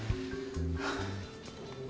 はあ。